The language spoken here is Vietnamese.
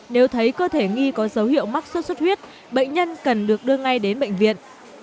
nếu thấy cơ thể nghi có dấu hiệu mắc sốt xuất huyết bệnh nhân cần được đưa ngay đến bệnh viện